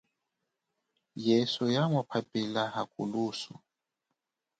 Yesu yamuphaphila, hakulusu.